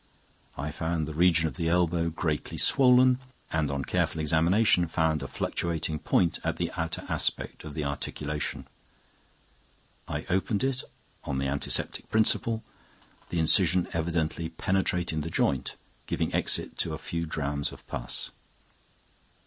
I found the region of the elbow greatly swollen, and on careful examination found a fluctuating point at the outer aspect of the articulation. I opened it on the antiseptic principle, the incision evidently penetrating to the joint, giving exit to a few drachms of pus.